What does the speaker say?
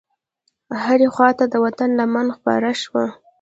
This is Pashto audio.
هرې خواته د وطن لمن خپره شوه.